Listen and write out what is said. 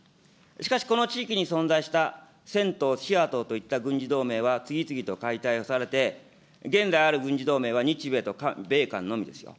しかし、この地域に存在したといった軍事同盟は次々と解体をされて、現在ある軍事同盟は日米と米韓のみですよ。